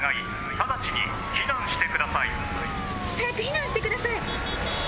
早く避難してください！